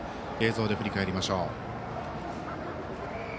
映像で振り返りましょう。